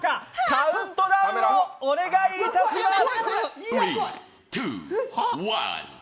カウントダウンをお願いいたします。